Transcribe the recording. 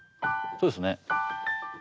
そうですね。